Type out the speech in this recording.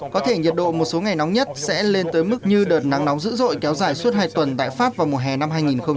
có thể nhiệt độ một số ngày nóng nhất sẽ lên tới mức như đợt nắng nóng dữ dội kéo dài suốt hai tuần tại pháp vào mùa hè năm hai nghìn hai mươi